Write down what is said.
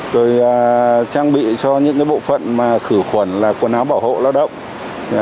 rồi trang bị cho những bộ phận khử khuẩn là quần áo bảo hộ lao động